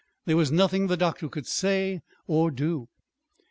There was nothing the doctor could say or do.